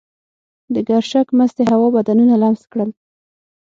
د ګرشک مستې هوا بدنونه لمس کړل.